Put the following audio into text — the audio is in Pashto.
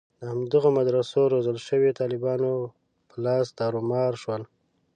د همدغو مدرسو روزل شویو طالبانو په لاس تارومار شول.